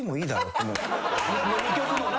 ２曲もな？